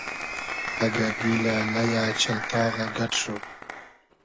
اگۂ گیلۂ ، لئیۂ ، چئلتاغۂ گئۮ شو